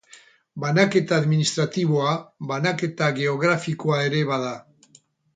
Banaketa administratiboa banaketa geografikoa ere bada.